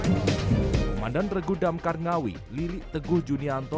komandan regu damkar ngawi lili teguh junianto